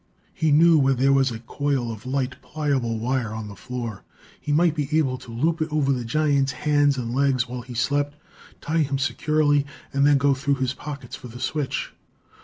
He knew where there was a coil of light, pliable wire on the floor; he might be able to loop it over the giant's hands and legs while he slept, tie him securely, and then go through his pockets for the switch.